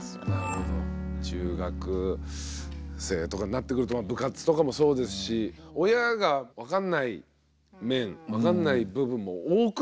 中学生とかになってくると部活とかもそうですし親が分かんない面分かんない部分も多くなってきますよねどんどん。